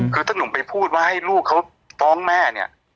คือถ้าหนุ่มไปพูดว่าให้ลูกเขาฟ้องแม่เนี่ย